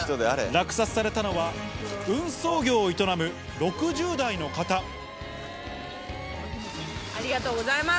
落札されたのは、ありがとうございます。